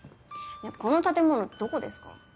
この建物どこですか？